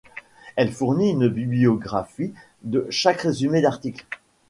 Elle fournit une bibliographie de chaque résumé d'article.